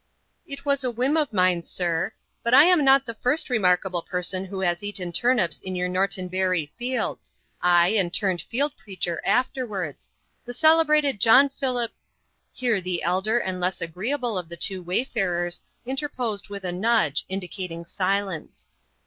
"It was a whim of mine, sir. But I am not the first remarkable person who has eaten turnips in your Norton Bury fields ay, and turned field preacher afterwards the celebrated John Philip " Here the elder and less agreeable of the two wayfarers interposed with a nudge, indicating silence.